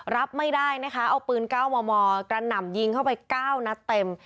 รับไม่ได้นะคะเอาปืน๙มมกระหน่ำยิงเข้าไป๙นัดเต็ม